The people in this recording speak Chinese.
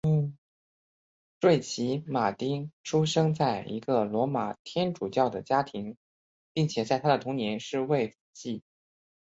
瑞奇马汀出生在一个罗马天主教的家庭并且在他的童年是位辅祭。